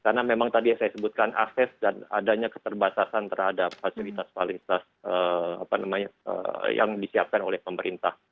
karena memang tadi saya sebutkan akses dan adanya keterbatasan terhadap fasilitas fasilitas apa namanya yang disiapkan oleh pemerintah